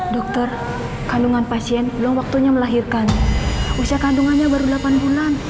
dokter kandungan pasien belum waktunya melahirkan usia kandungannya baru delapan bulan